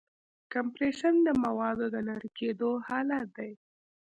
کمپریشن د موادو د نری کېدو حالت دی.